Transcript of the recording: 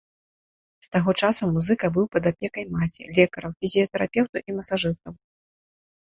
З таго часу музыка быў пад апекай маці, лекараў, фізіятэрапеўтаў і масажыстаў.